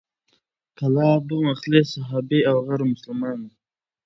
کلاب مخلص صحابي او غوره مسلمان و،